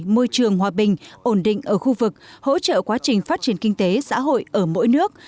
môi trường hòa bình ổn định ở khu vực hỗ trợ quá trình phát triển kinh tế xã hội ở mỗi nước